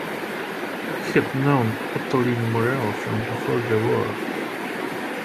He had known Ottoline Morrell from before the war.